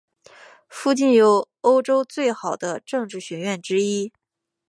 附近有欧洲最好的政治学院之一。